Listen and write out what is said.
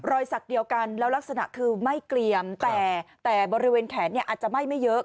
สักเดียวกันแล้วลักษณะคือไม่เกลี่ยมแต่บริเวณแขนเนี่ยอาจจะไหม้ไม่เยอะ